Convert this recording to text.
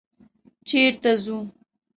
_چېرته ځو؟